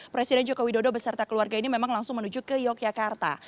presiden joko widodo beserta keluarga ini memang langsung menuju ke yogyakarta